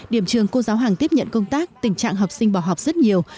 điểm trường cô giáo hằng tiếp nhận công tác tình trạng học sinh bỏ học rất nhiều